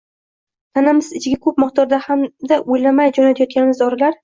Tanamiz ichiga ko‘p miqdorda hamda o‘ylamay jo‘natayotganimiz dorilar